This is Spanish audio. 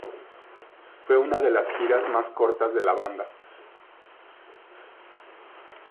Fue una de las giras más cortas de la banda.